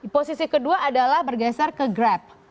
posisi kedua adalah bergeser ke grab